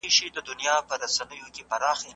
ټولنیز ژوند په دې علم کې څېړل کیږي.